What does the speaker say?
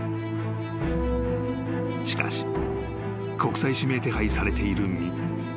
［しかし国際指名手配されている身］